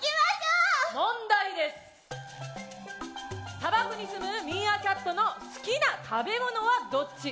砂漠に住むミーアキャットの好きな食べ物はどっち？